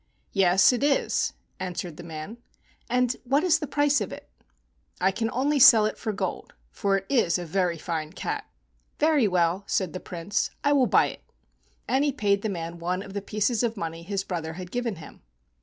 "Yes, it is," answered the man. "And what is the price of it ?" "I can only sell it for gold, for it is a very fine cat." "Very well," said the Prince, "I will buy it;" and he paid the man one of the pieces of money his brother had given him.